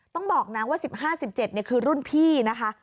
ต้องบอกนะว่า๑๕๑๗คือรุ่นพี่นะคะ